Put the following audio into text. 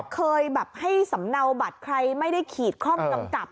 เคยแบบให้สำเนาบัตรใครไม่ได้ขีดข้องกำกับ